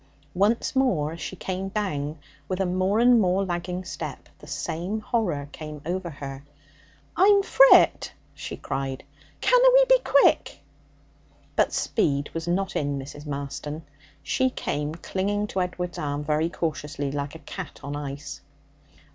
Once more as she came down with a more and more lagging step, the same horror came over her. 'I'm frit!' she cried; 'canna we be quick?' But speed was not in Mrs. Marston. She came clinging to Edward's arm, very cautiously, like a cat on ice.